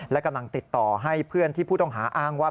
และกำลังติดต่อให้เพื่อนที่ผู้ต้องหาอ้างว่า